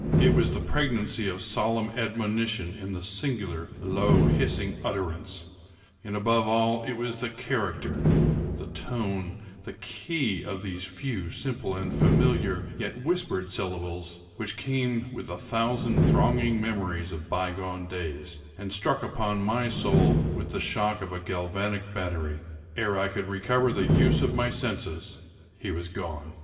It was the pregnancy of solemn admonition in the singular, low, hissing utterance; and, above all, it was the character, the tone, the key, of those few, simple, and familiar, yet whispered syllables, which came with a thousand thronging memories of bygone days, and struck upon my soul with the shock of a galvanic battery. Ere I could recover the use of my senses he was gone.